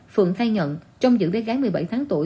phượng thay nhận trong giữ bé gái một mươi bảy tháng tuổi